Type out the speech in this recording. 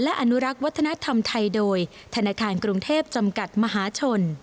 และอนุรักษ์วัฒนธรรมไทยโดยธนาคารกรุงเทพจำกัดมหาชน